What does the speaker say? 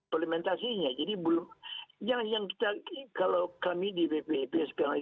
implementasinya jadi belum yang kita kalau kami di bpip sekarang